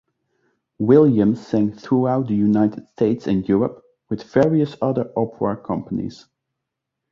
Williams sang throughout the United States and Europe with various other opera companies.